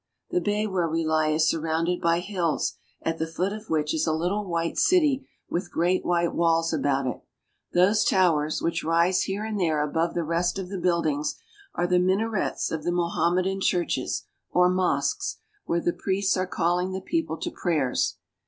The bay where we lie is surrounded by hills, at the foot of which is a little white city with great white walls about it. Those towers, which rise here and there above the rest of the buildings, are the minarets of the Mohammedan churches or mosques, where the priests are calhng the people to prayers.